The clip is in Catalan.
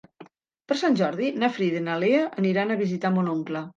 Per Sant Jordi na Frida i na Lea aniran a visitar mon oncle.